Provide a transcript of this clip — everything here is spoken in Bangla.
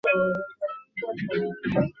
এবং এক বাটি আইসক্রিমও।